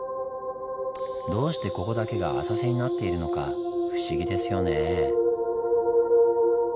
どうしてここだけが浅瀬になっているのか不思議ですよねぇ。